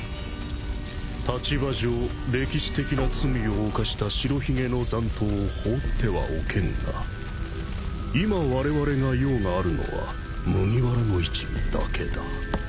立場上歴史的な罪を犯した白ひげの残党を放ってはおけんが今われわれが用があるのは麦わらの一味だけだ。